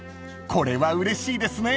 これはうれしいですね］